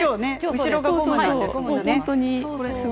後ろがゴムなんです。